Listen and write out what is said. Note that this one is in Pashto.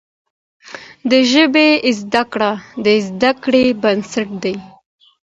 د ژبي زده کړه د زده کړې بنسټ دی.